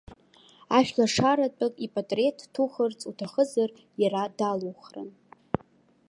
Ашәлашаратәык ипатреҭ ҭухырц уҭахызар, иара далухрын.